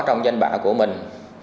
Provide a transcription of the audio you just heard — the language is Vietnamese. trong danh bạ của mình